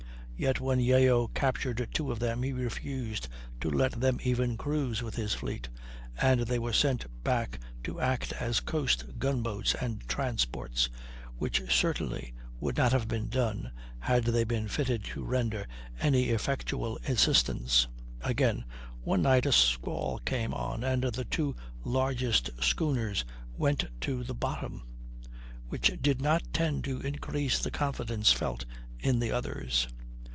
Yet when Yeo captured two of them he refused to let them even cruise with his fleet, and they were sent back to act as coast gun boats and transports, which certainly would not have been done had they been fitted to render any effectual assistance. Again, one night a squall came on and the two largest schooners went to the bottom, which did not tend to increase the confidence felt in the others.